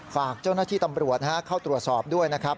ฝากเจ้าหน้าที่ตำรวจเข้าตรวจสอบด้วยนะครับ